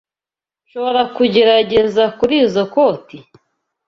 Nshobora kugerageza kurizoi koti?